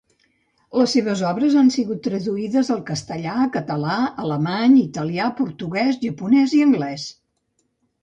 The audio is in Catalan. Les seves obres han sigut traduïdes al castellà, català, alemany, italià, portuguès, japonès i anglès.